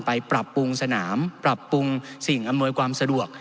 ปรับปรุงสนามปรับปรุงสิ่งอำนวยความสะดวก